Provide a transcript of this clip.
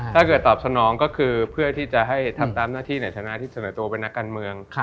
ตอบสนองก็คือเพื่อที่จะให้ทำตามหน้าที่ในฐานะที่เสนอตัวเป็นนักการเมือง